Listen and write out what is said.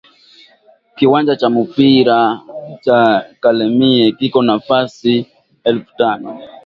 Kiwanja kya mupira kya kalemie kiko na fasi elfu tano